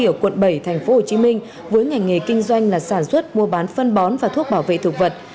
ở quận bảy tp hcm với ngành nghề kinh doanh là sản xuất mua bán phân bón và thuốc bảo vệ thực vật